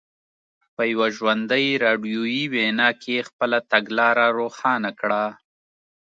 په یوه ژوندۍ راډیویي وینا کې خپله تګلاره روښانه کړه.